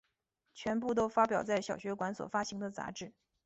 全部都发表在小学馆所发行的杂志。